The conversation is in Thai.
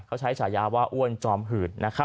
เขาใช้ฉายาว่าอ้วนจอมหืด